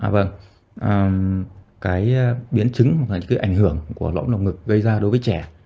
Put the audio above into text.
và cái biến chứng hoặc là cái ảnh hưởng của lõng ngực gây ra đối với trẻ